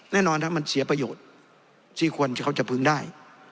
แน่นอนครับมันเสียประโยชน์ที่ควรจะพึงได้